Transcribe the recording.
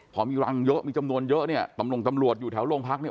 พอมีรังเยอะมีจำนวนเยอะเนี่ยตำรวจอยู่แถวโรงพักเนี่ย